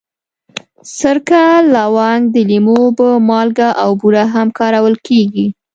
سرکه، لونګ، د لیمو اوبه، مالګه او بوره هم کارول کېږي.